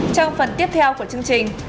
trong phần tiếp theo của chương trình